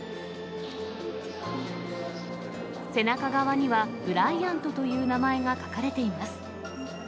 背中側にはブライアントという名前が書かれています。